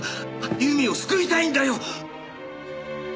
由美を救いたいんだよ！